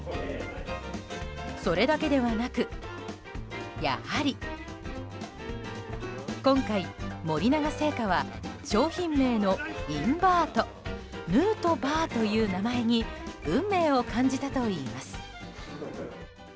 それだけではなく、やはり今回、森永製菓は商品名のｉｎバーとヌートバーという名前に運命を感じたといいます。